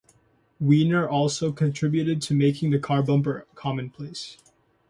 Weiner also contributed to making the car bumper commonplace.